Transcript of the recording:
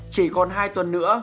chỉ còn hai tuần nữa